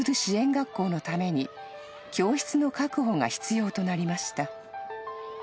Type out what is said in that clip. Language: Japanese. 学校のために教室の確保が必要となりました」